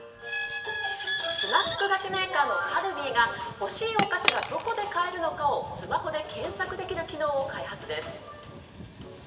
スナック菓子メーカーのカルビーが欲しいお菓子がどこで買えるのかをスマホで検索できる機能を開発です。